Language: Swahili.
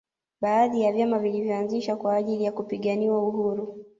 Baadhi ya vyama vilinyoanzishwa kwa ajili ya kupiganiwa uhuru